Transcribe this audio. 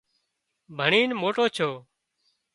ڀڻينَ موٽو ڇو